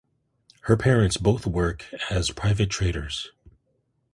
Her parents both work as private traders.